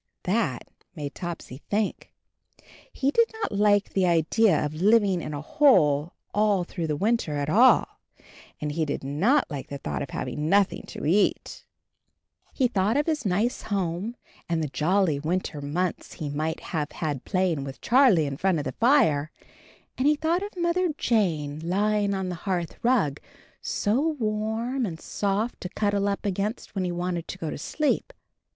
That made Topsy think. He did not like the idea of living in a hole all through the winter at all, and he did not like the thought of having nothing to eat ! He thought of his nice home, and the jolly winter months he might have had play ing with Charlie in front of the fire, and he thought of Mother Jane lying on the hearth rug, so warm and soft to cuddle up against when he wanted to go to sleep.